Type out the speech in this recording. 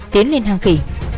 tiến lên hang khỉ